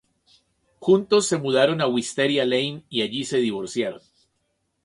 Juntos se mudaron a Wisteria Lane y allí se divorciaron.